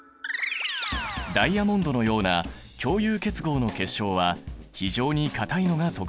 ダイヤモンドのような共有結合の結晶は非常に硬いのが特徴だ。